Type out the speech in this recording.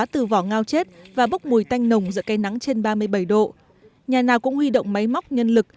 từ vỏ ngao chết và bốc mùi tanh nồng giữa cây nắng trên ba mươi bảy độ nhà nào cũng huy động máy móc nhân lực